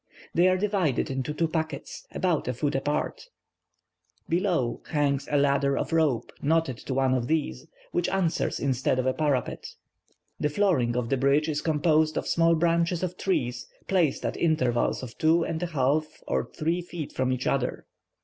They are divided into two packets, about a foot apart; Blow hangs a ladder of rope knotted to one of these, which answers instead of a parapet. The flooring of the bridge is composed of small branches of trees, placed at intervals of two and a half, or three feet from each other.